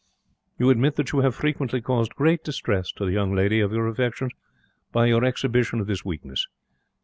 _ You admit that you have frequently caused great distress to the young lady of your affections by your exhibition of this weakness.